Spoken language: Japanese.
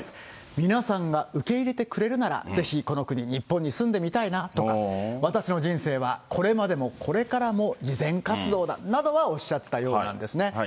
皆さんが受け入れてくれるなら、ぜひこの国、日本に住んでみたいなとか、私の人生は、これまでもこれからも慈善活動だなどはおっしゃったようなんですね。